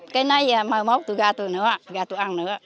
cái nói mai mốt tôi ra tôi ăn nữa